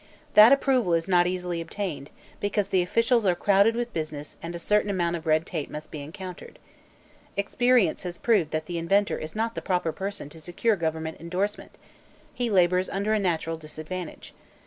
That approval is not easily obtained, because the officials are crowded with business and a certain amount of red tape must be encountered. Experience has proved that the inventor is not the proper person to secure government endorsement; he labors under a natural disadvantage.